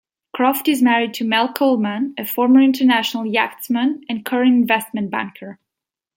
Croft is married to Mel Coleman, a former international yachtsman and current investment banker.